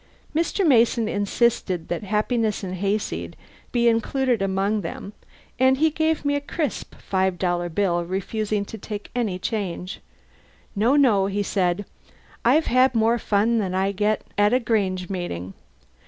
Mr. Mason insisted that "Happiness and Hayseed" be included among them, and gave me a crisp five dollar bill, refusing any change. "No, no," he said, "I've had more fun than I get at a grange meeting.